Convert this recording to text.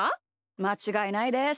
まちがいないです。